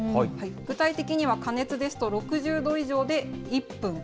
具体的には、加熱ですと６０度以上で１分。